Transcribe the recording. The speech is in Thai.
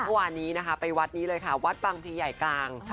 เมื่อวานนี้นะคะไปวัดนี้เลยค่ะวัดบางพลีใหญ่กลาง